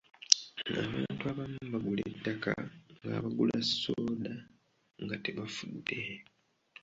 Abantu abamu bagula ettaka ng’abagula ssooda nga tebafuddeeyo.